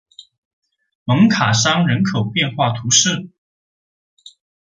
蒙卡桑人口变化图示